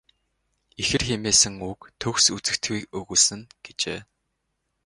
Ихэр хэмээсэн үг төгс үзэгдэхүйг өгүүлсэн нь." гэжээ.